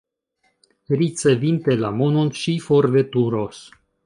Ricevinte la monon, ŝi forveturos.